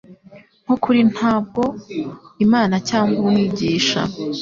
Nko kuri Ntabwo Imana cyangwa Umwigisha